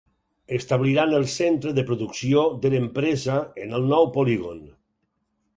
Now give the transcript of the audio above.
Establiran el centre de producció de l'empresa en el nou polígon.